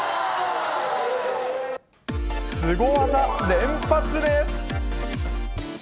スゴ技連発です。